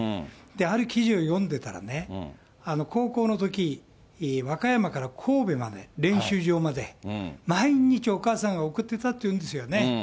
ある記事を読んでたらね、高校のとき、和歌山から神戸まで練習場まで、毎日、お母さんが送ってたっていうんですよね。